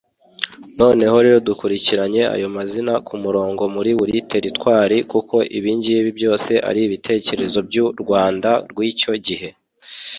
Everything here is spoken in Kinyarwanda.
Noneho rero dukurikiranye ayo mazina ku murongo muri buri Territwari kuko ibingibi byose ari ibitekerezo byu Rwanda rwicyo gihe